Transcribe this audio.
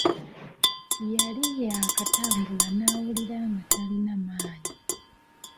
Yali yaakatambula n'awulira nga talina maanyi.